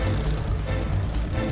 ada apa ini